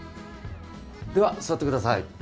では座ってください。